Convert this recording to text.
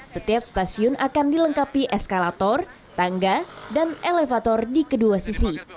setiap stasiun akan dilengkapi eskalator tangga dan elevator di kedua sisi